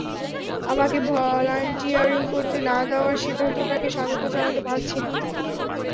আমাকে ভলান্টিয়ারিং করতে না দেওয়ার সিদ্ধান্তটাকে স্বাগত জানাতে পারছি না!